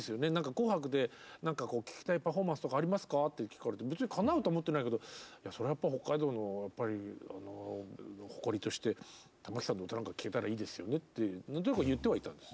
「『紅白』で聴きたいパフォーマンスとかありますか？」って聞かれて別にかなうと思ってないけどそれはやっぱり北海道の誇りとして玉置さんの歌なんか聴けたらいいですよねって何となく言ってはいたんです。